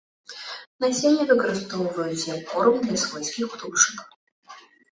Насенне выкарыстоўваюць як корм для свойскіх птушак.